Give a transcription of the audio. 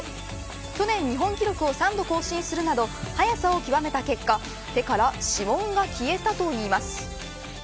去年、日本記録を３度更新するなど、速さを極めた結果手から指紋が消えたといいます。